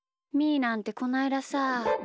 ーなんてこないださ。